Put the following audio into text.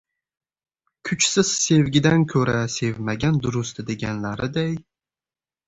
Kuchsiz sevgidan ko‘ra sevmagan durust deganlariday.